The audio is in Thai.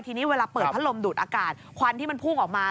ทีนี้เวลาเปิดพัดลมดูดอากาศควันที่มันพุ่งออกมา